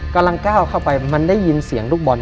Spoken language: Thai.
กำลังก้าวเข้าไปมันได้ยินเสียงลูกบอล